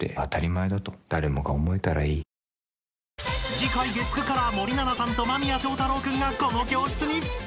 ［次回月９から森七菜さんと間宮祥太朗君がこの教室に］